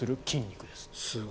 筋肉です。